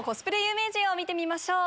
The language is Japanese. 有名人を見てみましょう。